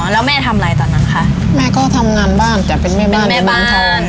แล้วแม่ทำอะไรตอนนั้นคะแม่ก็ทำงานบ้านแต่เป็นแม่บ้านแม่บ้าน